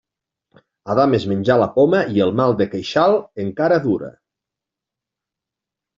Adam es menjà la poma i el mal de queixal encara dura.